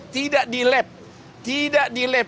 tidak di lab tidak di lab